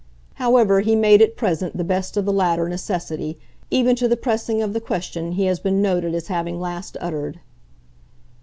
However, he made at present the best of the latter necessity, even to the pressing of the question he has been noted as having last uttered.